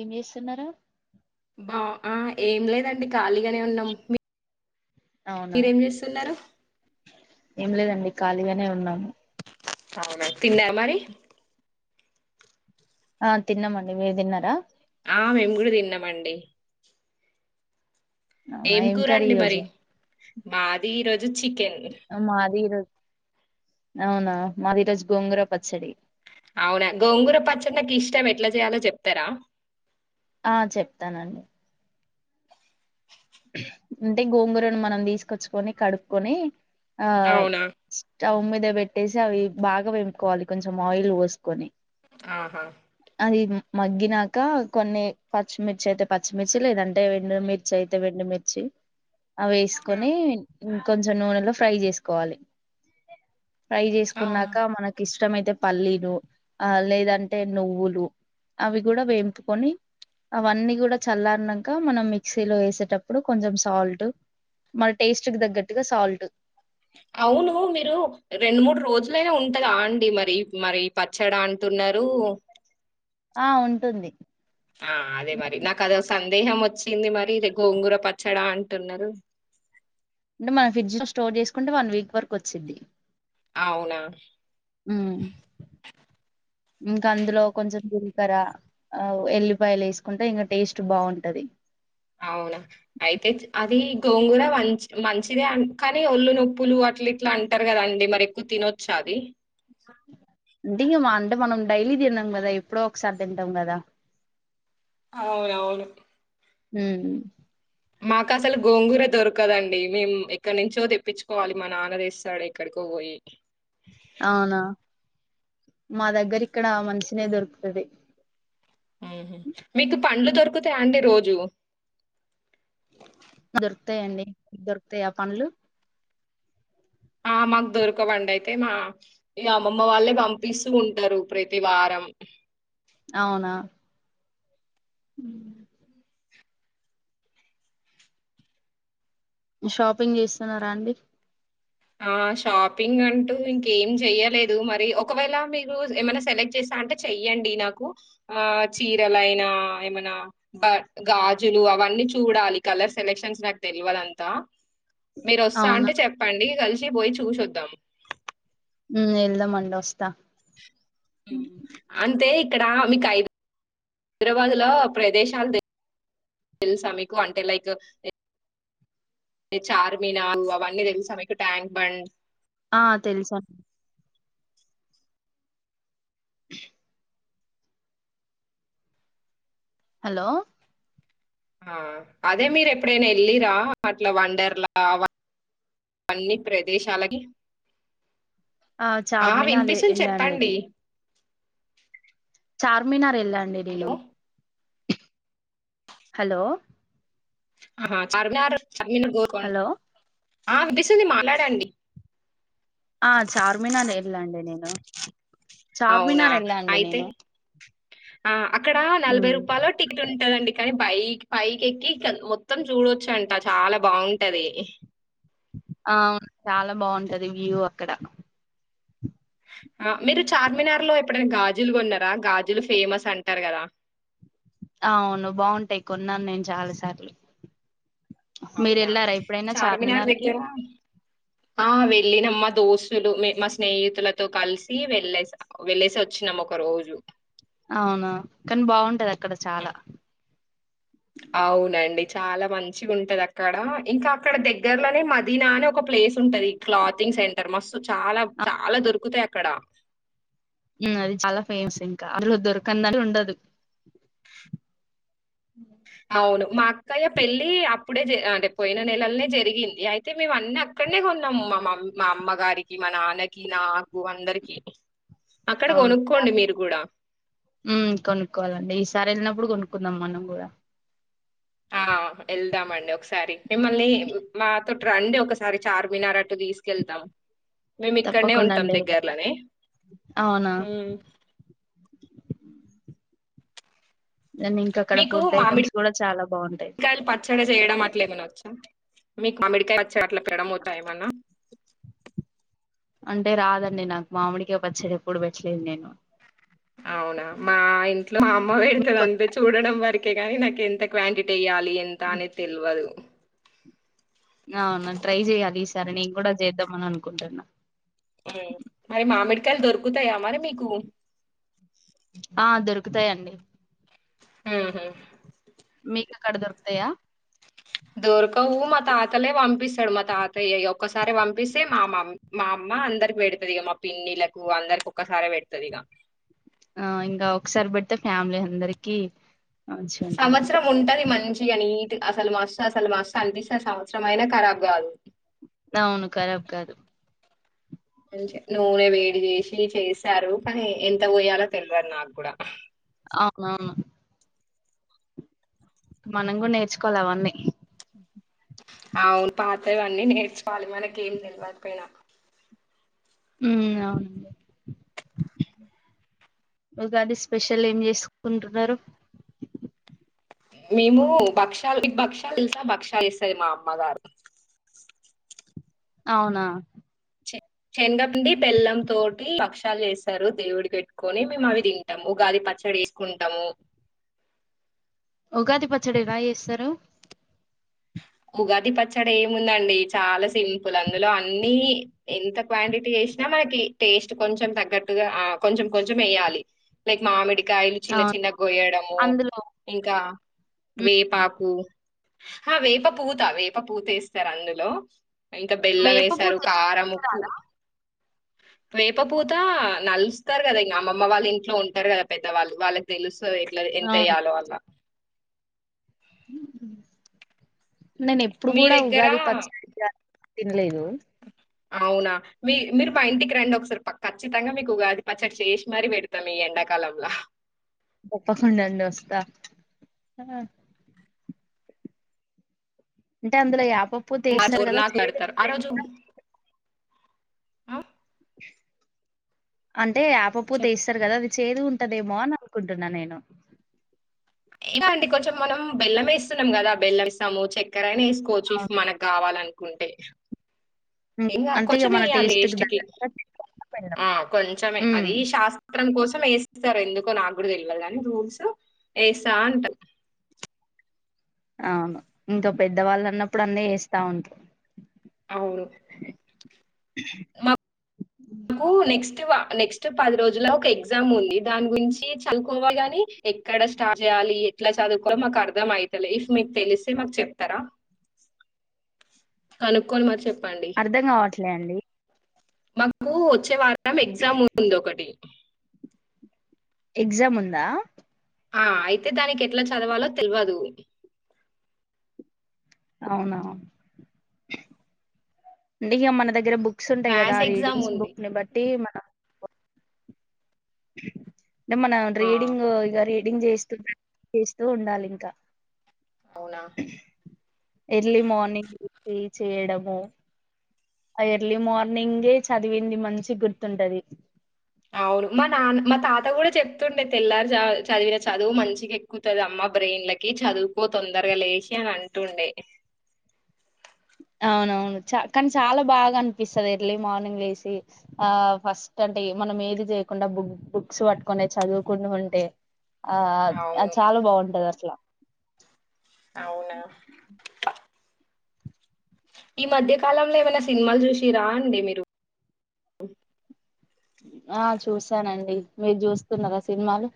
ఏం చేస్తున్నారు [unintelligible] ఏం లేదండి ఖాళీగానే ఉన్నాం అవునా మీరేం చేస్తున్నారు ఏం లేదండి ఖాళీగానే ఉన్నాము అవున, తిన్నా మరి ఆ తిన్నామండి మీరు తిన్నారా ఆ మేము కూడా తిన్నామండి అవునా ఏం కర్రీ కూరండి ఈ మరి, రోజు మాది ఈరోజు చికెన్ మాది ఈరోజు అవునా మాదిరోోజు గోంగర పచ్చడి అవునా గోంగూర పచ్చడా నాకుఇష్టం ఎట్లా చేయాలో చెప్తారా ఆ చెప్తానండి అంటే గోంగూరను మనం తీసుకొచ్చుకొని కడుక్కకొని ఆ అవునా స్టవ్ మీద పెట్టేసి అవి బాగా వేంపుకోవాలి కొంచెం ఆయిల్ పోసుకొని ఆహా అది మగ్గినాక కొన్ని పచ్చిమిర్చి అయితే పచ్చిమిర్చి లేదంటే ఎం డు మిర్చి అయితే ఎండుమిర్చి అవి ఆ, వేసుకొని కొంచెం నూనెలో ఫ్రై చేసుకోవాలి ఫ్రై అవునా చేసుకున్నాక మనకి ఇష్టంమయితే పల్లీలు ఆ లేదంటే నువ్వులు అవి కూడా వేంపుకొని, అవన్నీ కూడా చల్లారన్నాక మనం మిక్సీలో వేసే తప్పుడు కొంచెం సాల్ట్ మన టేస్ట్ తగ్గట్టుగా సాల్ట్ అవును మీరు రెండు మూడు రోజులైనా ఉంటదా అండి మరి మరి పచ్చడ అంటున్నారు ఆ ఉంటుంది ఆ అదే మరి నాకు అది వస్తే సందేహం వచ్చింది మరి గోంగూర పచ్చడా అంటున్నారు అంటే మన ఫ్రిడ్జ్ ను స్టోర్ చేసుకుంటే వన్ వీక్ వరకు వచ్చిద్ది అవునా ఉమ్, ఇంకా అందులో కొంచెం జీలకర్ర ఎల్లి ఉల్లిపాయలు వేసుకుంటే ఇంకా టేస్ట్ బాగుంటది అవునా అయితే అది గోంగూర మంచి మంచిదే అ కానీ ఒల్ళు నొప్పులు అట్ల ఇట్లా అంటారు కదా అండి మరి ఎక్కువ తినొచ్చా అది అది అంటే మనం డైలీ తిన్నాం కదా ఎప్పుడో ఒకసారి తింటాం కదా అవును అవును ఉమ్ మాకు అసలు గోంగూర దొరకదండి మేము ఎక్కడ నుంచో తెప్పించుకోవాలి మా నాన్న తెస్తాడు ఎక్కడికో పోయి అవునా, మా దగ్గర ఇక్కడ మంచిగనే దొరుకుతాది ఉహు, మీకు పండ్లు దొరుకు దొరుకుత్తా అండి రోజు దొరుకుతాయండి మీ కు దొరుకుతాయి ఆ పండ్లు ఆ మాకు దొరకవండి అయితే మా ఈ అమ్మమ్మ వాళ్ళే పంపిస్తూ ఉంటారు ప్రతి వారం అవునా ఉ షాపింగ్ చేస్తున్నారా అండి ఆ షాపింగ్ అంటూ ఇంకేం జేయలేదు మరి ఒకవేళ మీరు ఏమైనా సెలెక్ట్ చేస్తా అంటే చెయ్యండి నాకు ఆ చీరలైనా ఏమైనా బ గాజులు అవన్నీ చూడాలి కలర్ సెలెక్షన్స్ నాకు తెలివదు అంతా మీరు వస్తా అవునా అంటే చెప్పండి కలిసి పోయి చూషి వద్దాం ఉ వెళ్దాం అండి వస్తా అంటే ఇక్కడ మీకు ఐ హైదరాబాద్ లో ప్రదేశాలు తెలుసా మీకు అంటే లైక్ చార్మినార్ అవన్నీ తెలుసా మీకు ట్యాంక్ బండ్ ఆ తెలుసు అన్ హలో ఆ అదే మీరు ఎప్పుడైనా వెళ్ళిరా అట్లా వండర్లా అన్నీ ప్రదేశాలకి ఆ చార్మినాల్ వినిపిస్తుంది ఎళ్లా అండి. చెప్పండి. నేను చార్మినార్. వెళ్ళాండి హలో నేను. హలో ఆహా అర్మినార్. అడ్మిన్ గోల్కొం హలో ఆ విటిస్తుంది. మాట్లాడండి. ఆ చార్మినార్ ఏళ్ళా అండి. నేను అవునా చార్మినార్ ఏళ్ళా అండి. అయితే నేను ఆ అక్కడ నలభై మ్మ్ రూపాలలో టిక్ టు ఉంటదండి. కానీ పైకి పైకి ఎక్కి మొత్తం చూడొచ్చు అంట చాలా బాగుంటది. ఆ చాలా బాగుంటది. వ్యూ ఇక్కడ ఆ మీరు చార్మినార్ లో ఎప్పుడైనా గాజులు కొన్నారా. గాజులు ఫేమస్ అంటారు కదా. అవును బాగుంటాయి. కొన్నాను నేను చాలా సార్లు. మీరు అవునా. వెళ్ళారా ఎప్పుడైనా చార్మినార్ కి దగ్గర ఆ వెళ్లినం మాత్ దోస్తులు, మే మా స్నేహితులతో కలిసి వెళ్లేసి వెళ్లేసి వచ్చినాము. ఒక రోజు అవునా. కానీ బాగుంటది. అక్ అవునండి. చాలా మంచిగా ఉంటది అక్కడ. ఇంకా అక్కడ దగ్గరలోనే మదీనా అనే ఒక ప్లేస్ ఉంటది. క్లాతింగ్ సెంటర్ మస్ చాలా, చాలా దొరుకుతాయి. అక్ కడ ఉ అది చాలా ఫేమస్ ఇంకా. హరులో దొర్కదన్ ఉండదు. అవును. మా అక్కయ్య పెళ్లి అప్పుడే. జరి ఆ అంటే పోయిన నెల లనే జరిగింది. అయితే మేము అన్ని అక్కడనే కొన్నాము. మా మమ్మీ మా అమ్మగారికి, మా నాన్నకి, నాకు అందరికి. అక్కడ అవును కొనుక్కోండి మీరు కూడా. ఇసారి వెళ్ళినప్పుడు కొనుక్కుందాం. మనం కూడా. ఆ వెళ్దామండి ఒకసారి. మిమ్మల్ని మాతోటి రండి ఒకసారి చార్మినార్ అట్టు తీసుకెళ్తాం. మేము ఇక్కడనే తప్పకుండా ఉంటాం అండి వెళ్దాం. దగ్గర్లోనే. అవునా మేం ఇంకా అక్కడ మీకు ఫుడ్ మామిడి ఐటెమ్స్ కూడా చాలా బాగుంటాయి. కాయలు పచ్చడి చేయడం అట్లే ఏమన వచ్చా. మీకు మామిడికాయ చెట్ల ప్రెడమవుతాయి ఏమన్న అంటే రాదండి. నాకు మామిడికాయ పచ్చడి ఎప్పుడు పెట్టలేదు నేను. అవునా మా ఇంట్లో మా అమ్మ మీకు పెడుతది అంతే వచ్చా? చూడడం వర కానీ నాకు ఎంత క్వాంటిటీ ఇవ్వాలి ఎంత అనే తెల్వదు ఆవును ట్రై చెయ్యాలి. ఈసారి సరె నేను కూడా చేద్దామని అనుకుంటున్నా మరి మామిడి కాయలు దొరుకుతాయా మరి మీకు ఆ.. దొరుకుతాయండి ఉ.... హుమ్... మీకు అక్కడ దొరుకుతాయా దొరకవు మా తాతలే పంపిస్తాడు మా తాతయ్యే ఈ ఒక్కసారె పంపిస్తే మా.. మ.. మా అమ్మ అందరికి పెడతుంది ఇక మా పిన్నిలకు అందరికి ఒక్కసారి పె పెడతది ఇక ఆ ఇంకా ఒకసారి పెడితే ఫ్యామిలీ అందరికి మంచిగా ఉంటది సంవత్సరం ఉంటది మంచి గా నీ అసల్ మస్త్ అసలు మస్త్ అనిపిస్తది సంవత్సరం అయినా కరాబ్ కాదు అవును కరాబ్ కాదు మంచి నూనె వేడి చేేసి చేస్తారు కానీ ఎంత పోయాలో తెల్వదు నాకు కూడా అవునవును మనం కూడా నేర్చుకోవాలి అవన్నీ అవును పాతవన్నీ నేర్చుకోవాలి మనకి ఏం తెల్వకపోయినా మ్.... అవును ఉగాది స్పెషల్ ఏం చేసుకుంటున్నారు మేము భక్షాలు మీకు భక్షాలు తెలుసా భక్షాలు చేస్తది మా అమ్మ గారు అవునా చెనగపిండి బెల్లం తోటి భక్షాలు చేస్తారు దేవుడికి పెట్టుకోని మేము అవి తింటాము ఉగాది పచ్చడి చే సుకుంటాము ఉగాది పచ్చడి ఎలా చేస్తారు ఉగాది పచ్చడి ఏముందండి చాలా సింపుల్ అందులో అన్నీ ఎంత క్వాంటిటీ వెసినా మనకి టేస్ట్ కొంచెం తగ్గట్టుగా ఆ.. కొంచెం కొంచెం వేయాలి లైక్ మామిడి కాయలు ఆ చిన్న చిన్న గొయ్యడము అందులో ఇంకా ఉమ్, వేపాకు హ వేప పూత వేప పూతెస్తరు అందులో ఇంక బెల్లం వేప పూత వేసారు కారం వేసుకుంటారా? ఉప్పు రాదా వేప పూత నలుస్తారు కదా ఇ అమ్మమ్మ వాళ్ళు ఇంట్లో ఉంటారు కదా పెద్దవాళ్ళు వాళ్ళకి తెలుస్ సో ఇట్లా అవును ఎంతెయ్యాలో అలా మ్మ్ నేను ఎప్పుడు మీ కూడా దగ్గర ఉగాది పచ్చడి [inaudible] తిన్లేదూ అవునా మి మీరు మా ఇంటికి రండి ఒకసారి ప ఖచ్చితంగా మీకు ఉగాది పచ్చడి చేసి మరీ పెడతా మీ ఎండాకాలంలో తప్పకుండా అండి వస్తా అంటే అందులో యాప్ ర్ [unintelligible] ఆ రోజు ఆ అంత్ అంటే యాపపూత చెప్పు ఏస్తరు కదా అది చేదు ఉంటదేమో అని అనుకుంటున్నా నేను ఇండి కొంచెం మనం బెల్లం వేస్తున్నాం కదా బెల్ం ఇస్తాము చక్కరయినా వేస్తము కోచిస్ అవును. మనకు కావాలంట కుంటే ఉమ్, ఇం అంటే కొెం ఇక మన వేయాలి టేస్ట్ కి ఎస్టీకే తగ్గట్టుగా తింటాం, పెడదాం. ఆ కొంచమే ఉమ్ అది శాస్త్రం కోసం రు వేస్తారు ఎందుకో నాకు కూడా తెల్లదు కాని రూల్స్ వేస్తా అంట అవును ఇంకో పెద్దవాళ్ళు అన్నప్పుడు అన్నే వేస్తా ఉంటారు అవును కు నెక్స్ట్ వ నెక్స్ట్ పది రోజుల ఒక ఎగ్జామ్ ఉంది దాని గురించి చదువుకోవాలిగాని ఎక్కడ స్టార్ట్ చేయ్యాలి ఎట్లా చదువుకో మాకు అర్ధం అయితలే ఇఫ్ మీకు తెలిస్తే మాకు చెప్తారా కనుక్కోని మరి చెప్ అర్ధం కావట్లే అండి మాకూ వత్ వచ్చే వారం ఎగ్జామ్ ఉంది ఒకటి ఎగ్జామ్ ఉందా ఆ అయితే దానికి ఎట్లా చదవాలో తెల్వదు అవునా అంటే ఇ మన దగ్గర బుక్ బుక్స్ ఉంటాయి కదా మ్యాథ్స్ ఎగ్జామ్ రీడింగ్స్ ఉంది. బుక్ ని బట్టి మన్ నిమ్మన ఆ! రేడింగ్ ఇగ రీ డింగ్ చేస్త చేస్తూ ఉండాలి ఇంకా అవునా ఎర్లీ మార్నింగ్ టీ చేయడము ఎర్లీ మార్నింగే చదివింది మంచి గుర్తుంటది అవును మా నాన్న మా తాత కూడా చెప్తుండే తెల్లారిజామ్ చ చదివిన చదువు మంచిగా ఎక్కుతది అమ్మ బ్రెయిన్లకి చదువుకో తొందరగా లేచి అని అంటుండే అవునవును చ కానీ చాలా బాగా అనిపిస్తది ఎర్లీ మార్నింగ్ వేసి ఆ ఫస్ట్ అంటే మనం ఏది చేయకుండా బుక్ బుక్స్ పట్టుకునే చదువుకున్నాం అంటే ఆ అ అవును చాలా బాగుంటది అట్లా అవునా ఈ మధ్య కాలంలో ఏమైనా సినిమాలు చూసి రా అండి మీరు ఆ చూసానండి మీరు చూస్తున్నారా సినిమాలు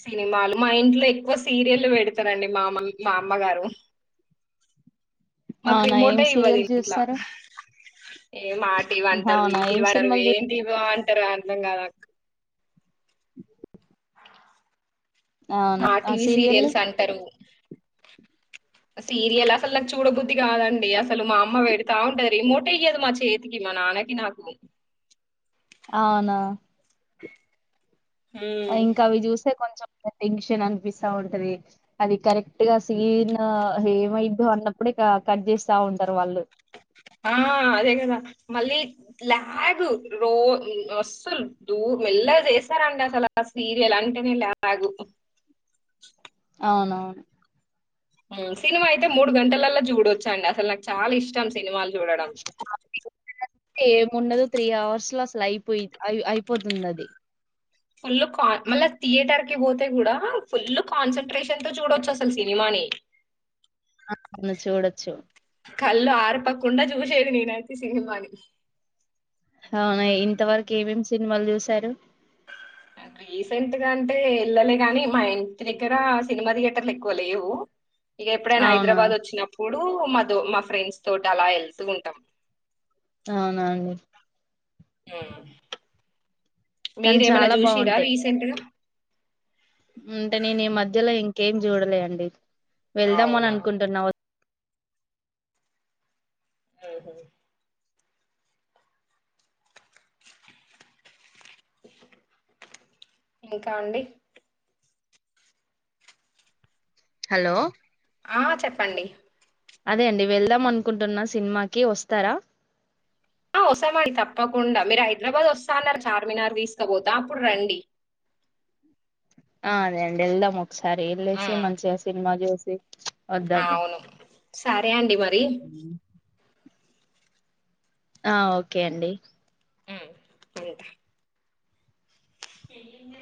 సినిమాలు మా ఇంట్లో ఎక్కువ సీరియల్ పెడతారండి మామ్ మా అమ్మగారు మాక్ అవునా ఏం రిమోటే ఇవ్వద్ సీరియల్స్ ఇంట్ల చూస్తారు ఏ మాటివి వ్వంటారు, ఈ అవునా టీవీ ఏం వ్వంటారు సినిమాలు చూ ఏం టివో న్ తారో అర్ధం కాద్ క్ అవునా ఆ టీవీ సీరియల్ సీరియల్స్ అంటరు సీరియల్ అసలు నాకు చూడబుద్ధి కాదండి అసలు మా అమ్మ పెడతా ఉంటది రిమోట్ అయ్యదు మా చేతికి మా నాన్నకి నాకు అవునా ఉమ్ ఇంకా అవి చూస్తే కొంచెం టెన్షన్ అనిపిస్తా ఉంటది అది కరెక్ట్ గా స్నన్ ఏమైదుో అన్నప్పుడే కట్ చేస్తా ఉంటారు వాళ్ళు ఆ అదే కదా మళ్ళీ లా్యా గు రో అసలు దూ మెల్ల చేస్తారండి అసలు సీరియల్ అంటేనే లాగు అవున సినిమా అయితే మూడు గంటలల్లో చూడొచ్చా అండి అసలు నాకు చాలా ఇష్టం సినిమాలు చూడడం ఏముండదు త్రీ అవర్స్ లా లా అయిపోయి అయిపోతుంది అది ఫుల్ కాన్ మళ్ళీ థియేటర్ కి పోతే కూడా ఫుల్ కాన్సన్ట్రేషన్ తో చూడొచ్చు అసలు సినిమాని ఆ అవ్ను చూడచ్చు కళ్ళు ఆరపకుండా చూసేది నేనైతే సినిమాని అ ఇంతవరకు ఏమేమి సినిమాలు చూసారు రీసెంట్గా అంటే వెళ్ళలే గాని మా ఇంటి దగ్గర సినిమా థియేటర్లు ఎక్కువ లేవు ఇక ఎప్పుడైనా అవునా హైదరాబాద్ వచ్చినప్పుడు మాతో మా ఫ్రెండ్స్ తోటి అలా వెళ్తూ ఉంటాం అవునా అండి మ్ కానీ మీరేమైనా చాలా చూసిరా బాగుంటాయి రీసెంట్ గా అంటే నేను ఈ మధ్యలో ఇంకేం చూడలే అండి వెళ్దామని అవునా అనుకుంటున్నా వ ఆ హ ఇంకా అండీ హలో ఆ చెప్పండి అదే అండి వెళ్దాం అనుకుంటున్న సినిమాకి వస్తరా ఆ వస్తమండి తప్పకుండా మీరు హైదరాబాద్ వస్తా అన్నారు చార్మినార్ తీసుకపోతా అప్పుడు రండి ఆ అదే అండి ఎల్దము సరే ఏళ్లేసి మంచిగా సినిమా చూడు ఉ ఆ అవును సరే అండి మరి ఆ ఓకే అండి ఉమ్ ఉంటా [unintelligible]